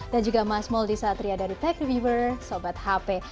dan juga mas moldi satria dari techreviewer sobat hp